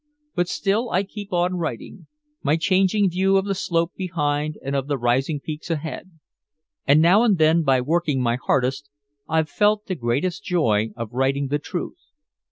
But still I keep on writing my changing view of the slope behind and of the rising peaks ahead. And now and then by working my hardest I've felt the great joy of writing the truth.